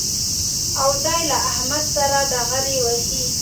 او دی له احمد سره ډغرې وهي